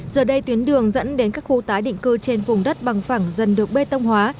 giờ đây tuyến đường dẫn đến các khu tái định cư trên vùng đất bằng phẳng dần được bê tông hóa